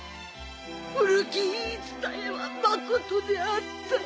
古き言い伝えはまことであった。